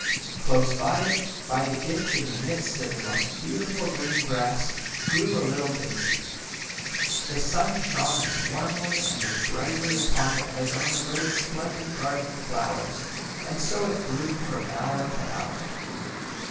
Close by it, by the ditch in the midst of the most beautiful green grass, grew a little daisy. The Sim shone as warmly and as brightly upon it as on the great splendid garden flowers, and so it grew from hour to hour.